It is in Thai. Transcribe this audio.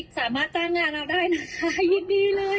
สามารถจ้างงานเราได้นะคะยินดีเลย